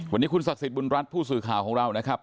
วันนี้คุณศักดิ์สิทธิบุญรัฐผู้สื่อข่าวของเรานะครับ